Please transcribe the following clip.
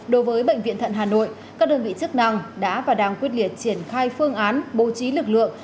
đối với bệnh viện thận hà nội các đơn vị chức năng đã và đang quyết liệt triển khai phương án bố trí lực lượng